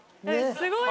すごい。